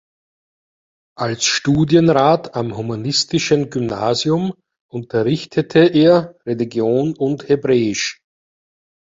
Als Studienrat am humanistischen Gymnasium unterrichtete er Religion und Hebräisch.